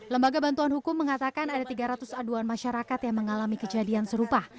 lembaga bantuan hukum mengatakan ada tiga ratus aduan masyarakat yang mengalami kejadian serupa